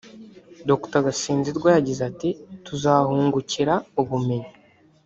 Dr Gasinzirwa yagize ati “Tuzahungukira ubumenyi